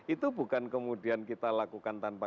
itu bukan kemudian kita lakukan tanpa